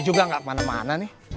juga enggak mana mana